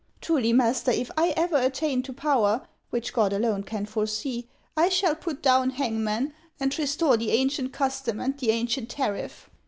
Truly, master, if ever I attain to power, which God alone can foresee, I shall put down hangmen, and restore the ancient custom and the ancient tariff.